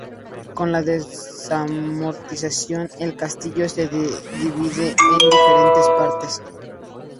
Con la desamortización, el castillo se divide en diferentes partes.